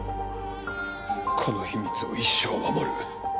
この秘密を一生守る。